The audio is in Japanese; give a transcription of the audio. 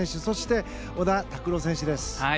そして、小田卓朗選手です。